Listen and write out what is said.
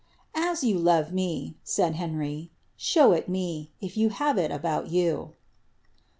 "As you love me," said Henry, " show it me, if you have it about you."